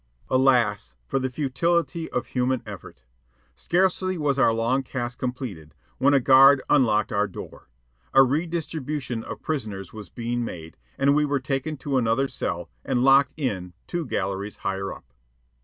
Alas for the futility of human effort! Scarcely was our long task completed when a guard unlocked our door. A redistribution of prisoners was being made, and we were taken to another cell and locked in two galleries higher up.